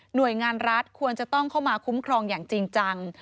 โดยงานรัฐควรจะต้องเข้ามาคุ้มครองอย่างจริงจัง